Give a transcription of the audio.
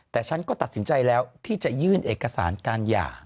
แต่ฉันก็ตัดสินใจแล้วที่จะยื่นเอกสารการหย่า